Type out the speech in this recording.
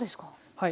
はい。